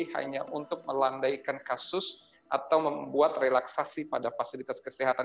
hanya untuk melandaikan kasus atau membuat relaksasi pada fasilitas kesehatan